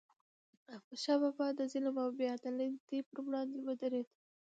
احمد شاه بابا د ظلم او بې عدالتی پر وړاندې ودرید.